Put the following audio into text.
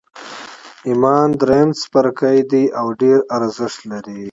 ایمان درېیم څپرکی دی او ډېر ارزښت لري